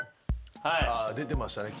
出てましたね。